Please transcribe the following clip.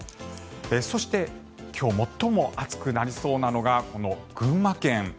そして、今日最も暑くなりそうなのがこの群馬県。